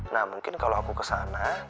nah mungkin kalau aku ke sana